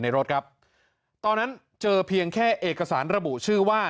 รถครับตอนนั้นเจอเพียงแค่เอกสารระบุชื่อว่า